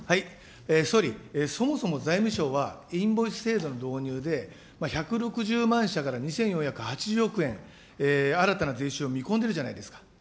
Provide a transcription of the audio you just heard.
総理、そもそも財務省は、インボイス制度の導入で、１６０万社から２４８０億円、新たな税収を見込んでるじゃないですか。